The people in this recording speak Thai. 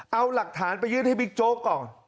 เอาหลักฐานไปยื่นให้บิ๊กโจ๊กก่อน